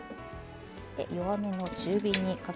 弱めの中火にかけます。